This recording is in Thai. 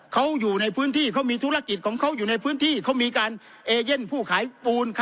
เขาอยู่ในพื้นที่เขามีธุรกิจของเขาอยู่ในพื้นที่เขามีการเอเย่นผู้ขายปูน